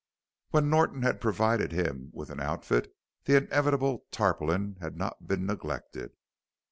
When Norton had provided him with an outfit the inevitable tarpaulin had not been neglected.